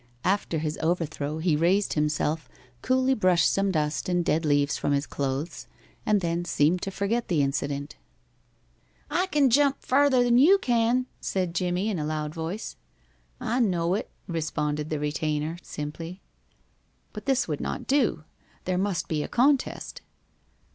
After his overthrow he raised himself, coolly brushed some dust and dead leaves from his clothes, and then seemed to forget the incident. "I can jump farther'n you can," said Jimmie, in a loud voice. "I know it," responded the retainer, simply. But this would not do. There must be a contest.